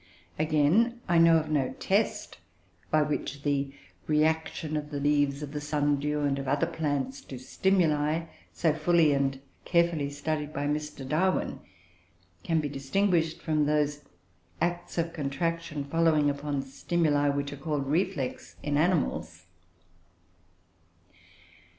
Again, I know of no test by which the reaction of the leaves of the Sundew and of other plants to stimuli, so fully and carefully studied by Mr. Darwin, can be distinguished from those acts of contraction following upon stimuli, which are called "reflex" in animals.